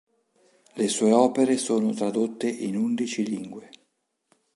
Le sue opere sono tradotte in undici lingue.